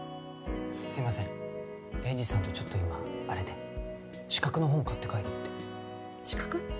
すいません栄治さんとちょっと今アレで資格の本買って帰るって資格？